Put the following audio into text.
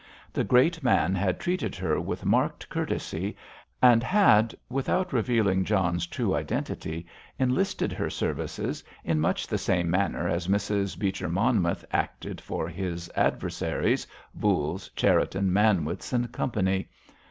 The great man had treated her with marked courtesy, and had, without revealing John's true identity, enlisted her services in much the same manner as Mrs. Beecher Monmouth acted for his adversaries, Voules, Cherriton, Manwitz, and company.